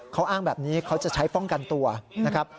เขาอ้างแบบนี้เขาจะใช้ป้องกันตัวนะครับ